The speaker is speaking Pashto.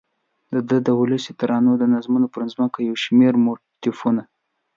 دده د ولسي ترانو او نظمونو پر ځمکه یو شمېر موتیفونه